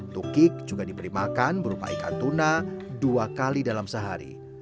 tukik juga diberi makan berupa ikan tuna dua kali dalam sehari